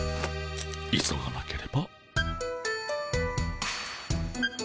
急がなければ。